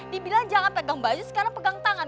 dibilang jangan pegang baju sekarang pegang tangan